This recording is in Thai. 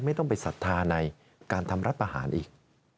ไม่ต้องไปศรัทธาในการทำรัฐประหารอีก